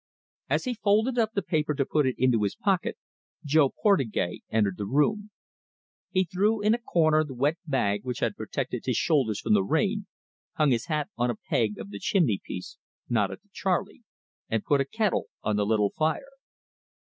As he folded up the paper to put it into his pocket, Jo Portugais entered the room. He threw in a corner the wet bag which had protected his shoulders from the rain, hung his hat on a peg of the chimney piece, nodded to Charley, and put a kettle on the little fire.